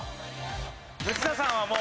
藤田さんはもう。